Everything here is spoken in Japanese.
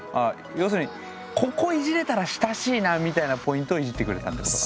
要するにここいじれたら親しいなみたいなポイントをいじってくれたってことか。